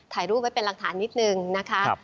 ถ่ายรูปไว้เป็นหลักฐานนิดนึงนะคะ